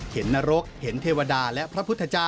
นรกเห็นเทวดาและพระพุทธเจ้า